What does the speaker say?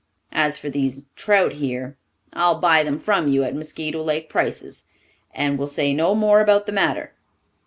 As for these trout here, I'll buy them from you at Mosquito Lake prices, and will say no more about the matter.